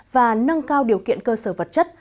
và nâng cao điều kiện cơ sở vật chất